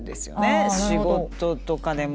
仕事とかでも。